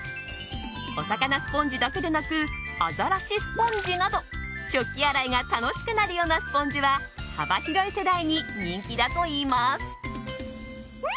おさかなスポンジだけでなくあざらしスポンジなど食器洗いが楽しくなるようなスポンジは幅広い世代に人気だといいます。